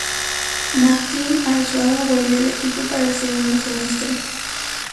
Martín Arzuaga volvió al equipo para el segundo semestre.